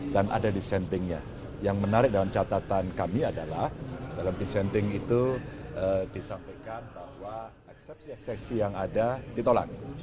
dan ada dissentingnya yang menarik dalam catatan kami adalah dalam dissenting itu disampaikan bahwa eksepsi eksepsi yang ada ditolak